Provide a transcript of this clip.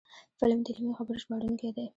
قلم د علمي خبرو ژباړونکی دی